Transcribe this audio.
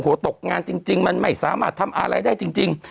ตกงานจริงมันไม่สามารถทำอะไรได้จริง